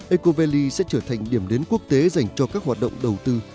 ecovalley sẽ trở thành điểm đến quốc tế dành cho các hoạt động đầu tư